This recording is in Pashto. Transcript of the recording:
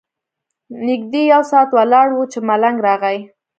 نږدې یو ساعت ولاړ وو چې ملنګ راغی.